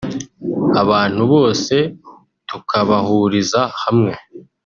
abantu bose tukabahuriza hamwe